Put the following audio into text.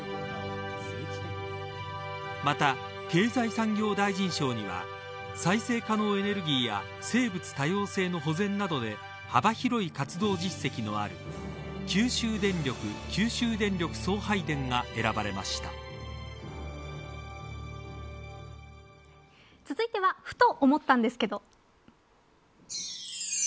また経済産業大臣賞には再生可能エネルギーや性別多様性の保全などで幅広い活動実績のある九州電力、九州電力送配電が続いてはふと思ったんですけど。